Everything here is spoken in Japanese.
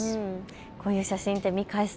こういう写真って見返す